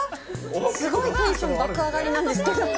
すごいテンション爆上がりなんですけど。